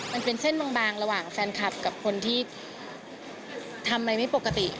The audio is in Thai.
มันเป็นเส้นบางระหว่างแฟนคลับกับคนที่ทำอะไรไม่ปกติ